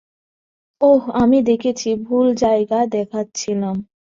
ওহ, আমি দেখছি ভুল জায়গা দেখাচ্ছিলাম।